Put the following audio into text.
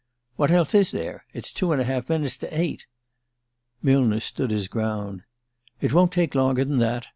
"What else is there? It's two and a half minutes to eight." Millner stood his ground. "It won't take longer than that.